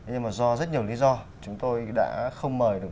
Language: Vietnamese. nhưng mà do rất nhiều lý do chúng tôi đã không mời được